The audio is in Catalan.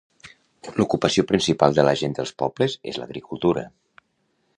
L'ocupació principal de la gent dels pobles és l'agricultura.